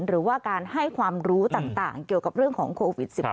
หรือว่าการให้ความรู้ต่างเกี่ยวกับเรื่องของโควิด๑๙